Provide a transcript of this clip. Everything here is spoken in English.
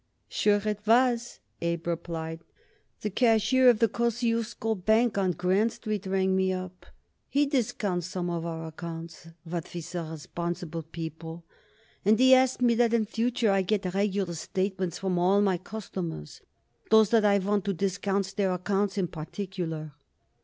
"Sure it was," Abe replied. "The cashier of the Kosciusko Bank on Grand Street rang me up. He discounts some of our accounts what we sell responsible people, and he asks me that in future I get regular statements from all my customers those that I want to discount their accounts in particular."